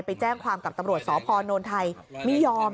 ไปแจ้งความกับตำรวจสอพนธ์โนนไทย